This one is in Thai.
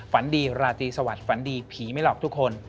ฝันดีราตรีสวัสดิฝันดีผีไม่หลอกทุกคน